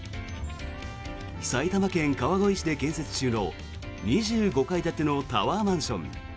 埼玉県川越市で建設中の２５階建てのタワーマンション。